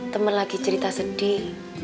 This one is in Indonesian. teman lagi cerita sedih